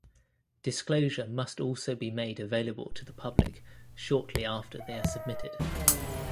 Disclosure must also be made available to the public shortly after they are submitted.